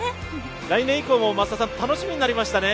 来年以降も楽しみになりましたね。